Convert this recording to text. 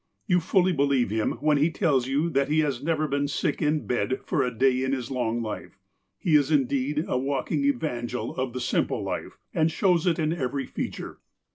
You fully believe him when he tells you that he has never been sick in bed for a day of his loug life. He is indeed a walking evangel of the simple life, and shows it in every feature.